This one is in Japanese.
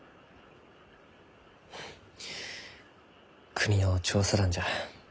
国の調査団じゃ。